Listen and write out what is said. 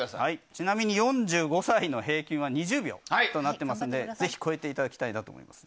ちなみに４５歳の平均は２０秒ですのでぜひ、超えていただきたいと思います。